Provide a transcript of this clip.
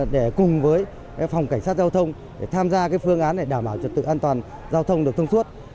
để cùng với phòng cảnh sát giao thông để tham gia phương án để đảm bảo trật tự an toàn giao thông được thông suốt